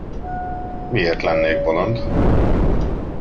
Miért lennék bolond?